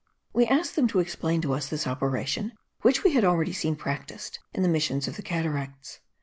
We asked them to explain to us this operation, which we had already seen practised in the missions of the Cataracts.